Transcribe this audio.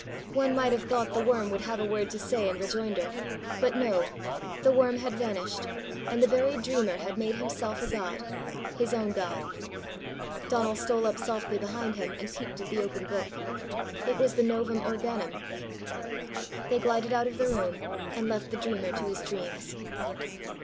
One might have thought the worm would have a word to say in rejoinder; but no; the worm had vanished, and the buried dreamer had made himself a god his own god! Donal stole up softly behind him, and peeped at the open book: it was the Novum Organum! They glided out of the room, and left the dreamer to his dreams.